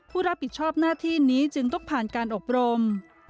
ผู้รับผิดชอบหน้าที่นี้จึงต้องผ่านการอบรม